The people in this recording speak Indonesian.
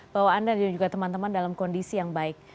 bahwa anda dan juga teman teman dalam kondisi yang baik